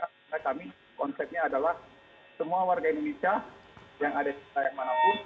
karena kami konsepnya adalah semua warga indonesia yang ada di wilayah mana pun